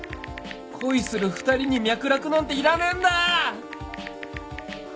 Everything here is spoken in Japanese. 恋する２人に脈絡なんていらねえんだ！